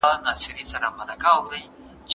زه او حقيار ټولګيوال يو.